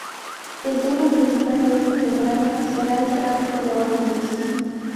El tema principal de esta temporada será el tráfico de órganos.